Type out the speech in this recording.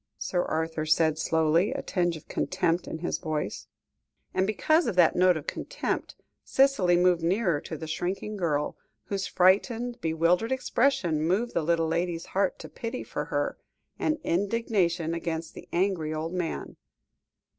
Sir Arthur said slowly, a tinge of contempt in his voice; and because of that note of contempt, Cicely moved nearer to the shrinking girl, whose frightened, bewildered expression moved the little lady's heart to pity for her, and indignation against the angry old man.